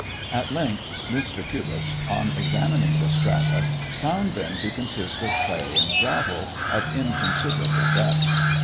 At length, Mr. Cubitt, on examining the strata, found them to consist of clay and gravel, of inconsiderable depth.